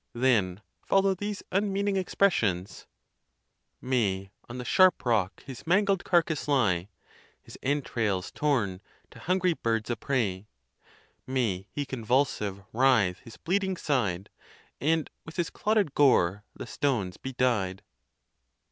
Then follow these un meaning expressions : May _On the sharp rock his mangled carcass lie, His entrails torn, to hungry birds a prey! May he convulsive writhe his bleeding side, And with his clotted gore the stones be dyed!